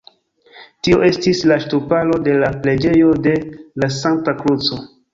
Tio estis la ŝtuparo de la preĝejo de la Sankta Kruco.